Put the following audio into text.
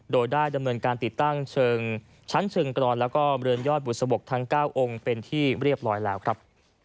โดยได้ดำเนินการติดตั้งเชิงชั้นเชิงกรอนแล้วก็เรือนยอดบุษบกทั้ง๙องค์เป็นที่เรียบร้อยแล้วครับ